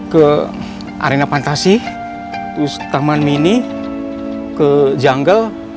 ke arena fantasi terus taman mini ke jungle